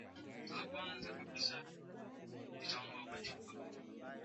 watu tunakaa tunatumia magari tukifika ofisini tunakaa kwenye komputa hatufanyi mazoezi ya viungo